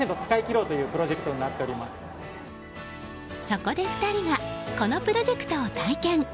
そこで２人がこのプロジェクトを体験。